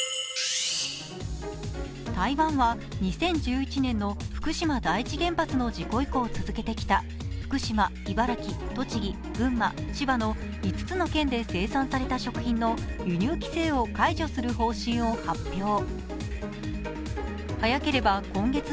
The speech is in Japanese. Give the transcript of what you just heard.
台湾は２０１１年の福島第一原発の事故以降続けてきた福島、茨城、栃木、群馬、千葉の５つの県で生産された食品の輸入規制を解除する方針を発表。